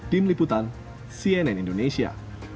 tim liputan cnn indonesia